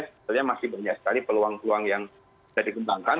sebenarnya masih punya sekali peluang peluang yang sudah dikembangkan